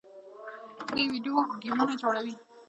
دوی ویډیو ګیمونه جوړوي.